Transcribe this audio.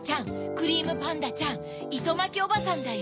クリームパンダちゃんいとまきおばさんだよ。